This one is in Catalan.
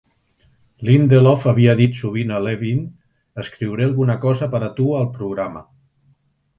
Lindelof havia dit sovint a Levine: "Escriuré alguna cosa per a tu al programa".